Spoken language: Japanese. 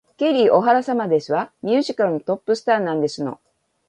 ケリー・オハラ様ですわ。ミュージカルのトップスターなんですの